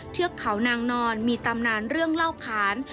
เทือกเขานางนอนมีตำนานเรื่องเล่าขาน